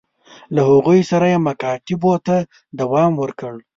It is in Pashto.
له هغوی سره یې مکاتبو ته دوام ورکړ.